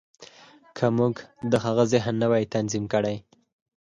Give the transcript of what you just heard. که موږ د هغه ذهن نه وای تنظيم کړی.